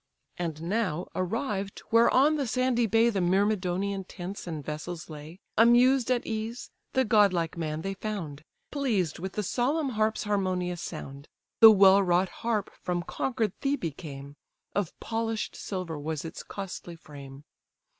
And now, arrived, where on the sandy bay The Myrmidonian tents and vessels lay; Amused at ease, the godlike man they found, Pleased with the solemn harp's harmonious sound. (The well wrought harp from conquered Thebae came; Of polish'd silver was its costly frame.)